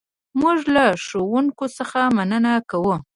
موږ له ښوونکي څخه مننه کوو.